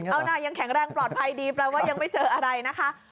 เอานะยังแข็งแรงปลอดภัยดีแปลว่ายังไม่เจออะไรนะคะ